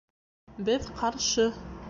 Беҙ ҡаршы.